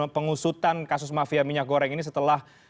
pengusutan kasus mafia minyak goreng ini setelah